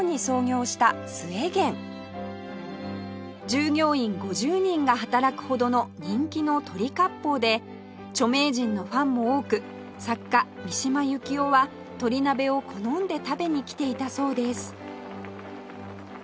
従業員５０人が働くほどの人気の鳥割烹で著名人のファンも多く作家三島由紀夫はとり鍋を好んで食べに来ていたそうです